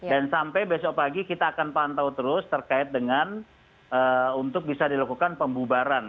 dan sampai besok pagi kita akan pantau terus terkait dengan untuk bisa dilakukan pembubaran